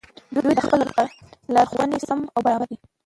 دوى د خپل رب په لارښووني سم او برابر دي